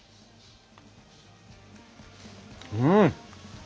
うん。